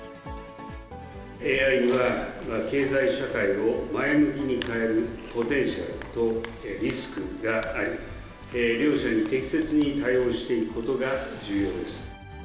ＡＩには、経済社会を前向きに変えるポテンシャルとリスクがあり、両者に適切に対応していくことが重要です。